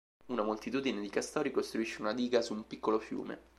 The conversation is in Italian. Una moltitudine di castori costruisce una diga su un piccolo fiume.